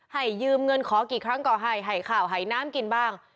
ให้ยืมเงินขอกี่ครั้งก็ให้ให้ข่าวให้น้ำกินบ้าง